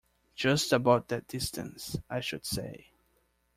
Just about that distance, I should say.